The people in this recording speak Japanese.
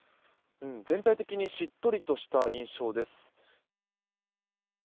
全体的にしっとりとした印象です。